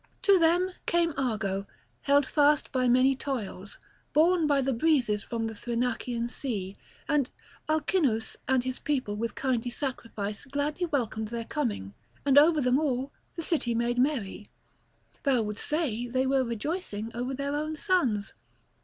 To them came Argo, held fast by many toils, borne by the breezes from the Thrinacian sea; and Alcinous and his people with kindly sacrifice gladly welcomed their coming; and over them all the city made merry; thou wouldst say they were rejoicing over their own sons.